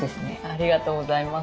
ありがとうございます。